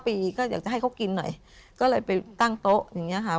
ปีก็อยากจะให้เขากินหน่อยก็เลยไปตั้งโต๊ะอย่างนี้ค่ะ